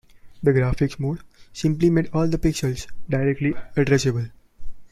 The graphics mode simply made all pixels directly addressable.